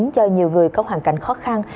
cho nhiều người có hoàn cảnh khó khăn